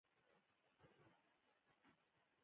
لوبې میدان ورننوتو لاره ده.